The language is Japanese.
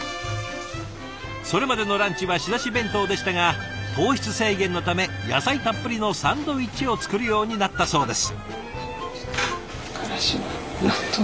それまでのランチは仕出し弁当でしたが糖質制限のため野菜たっぷりのサンドイッチを作るようになったそうです。